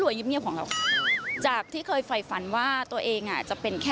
อันนี้หลังไหมคือร้อยล้านแหละ